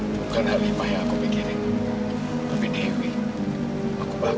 bukan halimah yang aku pikirin